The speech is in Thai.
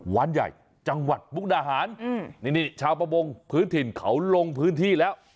ใหญ่จังหวัดมุกดาหารนี่นี่ชาวประมงพื้นถิ่นเขาลงพื้นที่แล้ว